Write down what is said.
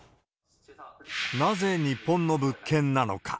なぜ日本の物件なのか。